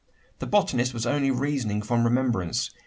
The botanist was only reasoning from remembrance.